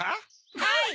はい！